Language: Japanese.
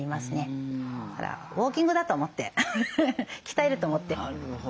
ウォーキングだと思って鍛えると思って。